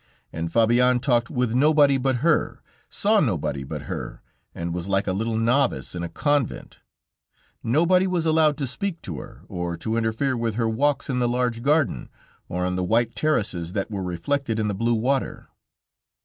And Fabienne talked with nobody but her, saw nobody but her, and was like a little novice in a convent. Nobody was allowed to speak to her, or to interfere with her walks in the large garden, or on the white terraces that were reflected in the blue water.